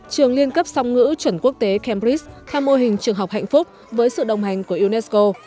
trường liên cấp song ngữ chuẩn quốc tế cambridge tham mô hình trường học hạnh phúc với sự đồng hành của unesco